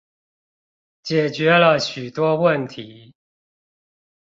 解決了許多問題